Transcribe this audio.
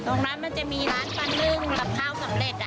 ตรงนั้นมันจะมีร้านปะนึ่งกับข้าวสำเร็จ